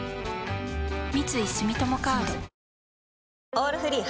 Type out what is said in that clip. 「オールフリー」